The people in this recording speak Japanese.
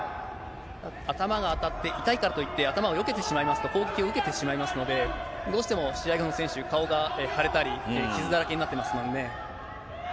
頭が当たって痛いからといって、頭をよけてしまいますと、攻撃を受けてしまいますので、どうしても試合後の選手、顔が腫れたり、傷だらけになってますもんね。